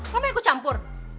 kamu mau ikut campur